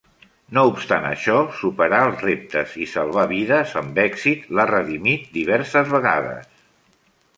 No obstant això, superar els reptes i salvar vides amb èxit l'ha redimit diverses vegades.